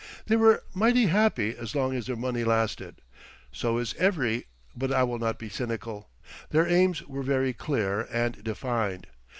They were mighty happy as long as their money lasted. So is every—but I will not be cynical. Their aims were very clear and defined.